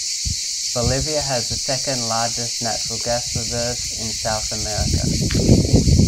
Bolivia has the second largest natural gas reserves in South America.